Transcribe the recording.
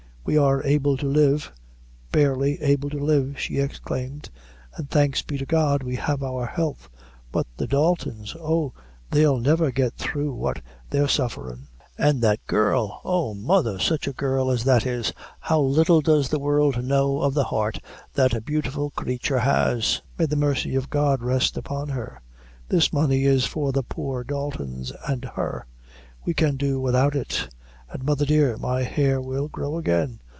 "We are able to live barely able to live," she exclaimed; "an' thanks be to God we have our health; but the Daltons oh! they'll never get through what they're sufferin'; an' that girl oh! mother, sich a girl as that is how little does the world know of the heart that beautiful craythur has. May the mercy of God rest upon her! This money is for the poor Daltons an' her; we can do without it an', mother dear, my hair will grow again.